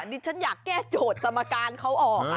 ดิฉันอยากแก้โจทย์สมการเขาออก